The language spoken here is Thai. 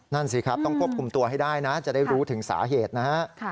นั่นสิครับต้องควบคุมตัวให้ได้นะจะได้รู้ถึงสาเหตุนะฮะ